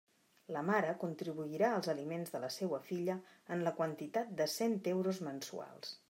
La mare contribuirà als aliments de la seua filla en la quantitat de cent euros mensuals.